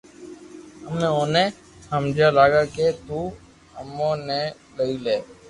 امي اوني ھمجا لاگيا ڪي تو امو ني لئي جا